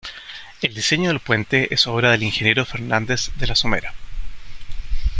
El diseño del puente es obra del ingeniero Fernández de la Somera.